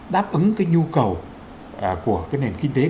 đáp ứng cái nhu cầu của cái nền kinh tế